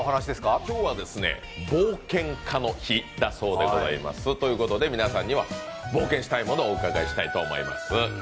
今日は冒険家の日だそうでございます。ということで皆さんには冒険したいものを伺いしたいと思います。